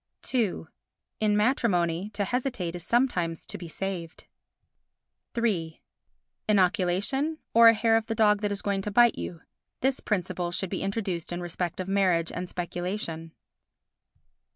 ii In matrimony, to hesitate is sometimes to be saved. iii Inoculation, or a hair of the dog that is going to bite you—this principle should be introduced in respect of marriage and speculation.